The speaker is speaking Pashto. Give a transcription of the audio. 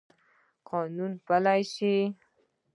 قانون باید پلی شي